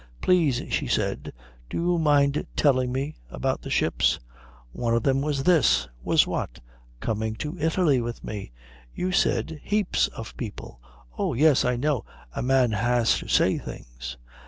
"Please," she said, "do you mind telling me about the ships?" "One of them was this." "Was what?" "Coming to Italy with me." "You said heaps of people " "Oh, yes, I know a man has to say things.